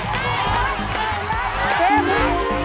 เตรียม